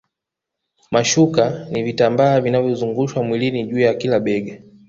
Mashuka ni vitambaa vinavyozungushwa mwilini juu ya kila bega